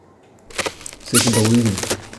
seizh ha daou-ugent.